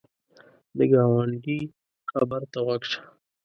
د ګاونډي خبر ته غوږ شه